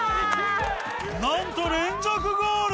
何と連続ゴール